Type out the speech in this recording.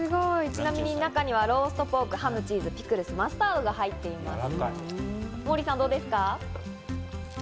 ちなみに中にはローストポーク、ハム、チーズ、マスタードが入ってます。